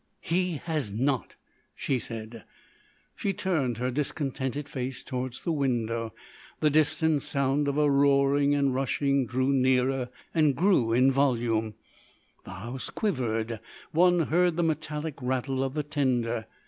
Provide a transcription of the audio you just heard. "He has not," she said. She turned her discontented face towards the window. The distant sound of a roaring and rushing drew nearer and grew in volume; the house quivered; one heard the metallic rattle of the tender.